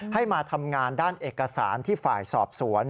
ให้มาทำงานด้านเอกสารที่ฝ่ายสอบสวน